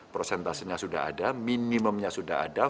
prosentasenya sudah ada minimumnya sudah ada